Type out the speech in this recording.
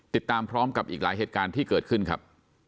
ติดตามพร้อมกับอีกหลายเหตุการณ์ที่เกิดขึ้นครับ